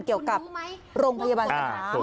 เกี่ยวกับโรงพยาบาลสนาม